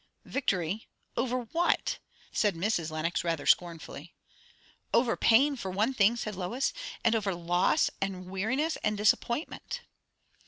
"Victory over what?" said Mrs. Lenox rather scornfully, "Over pain, for one thing," said Lois; "and over loss, and weariness, and disappointment."